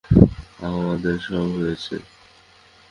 আমাদের সব হয়েছে।